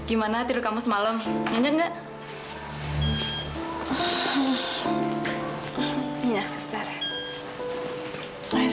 iya sih sus mungkin juga